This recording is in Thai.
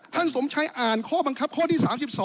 สมชัยอ่านข้อบังคับข้อที่๓๒